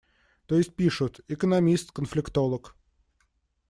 То есть пишут: «Экономист, конфликтолог».